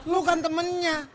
lu kan temennya